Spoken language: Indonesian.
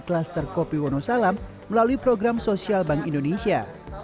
klaster kopi wonosalam melalui program sosial bank indonesia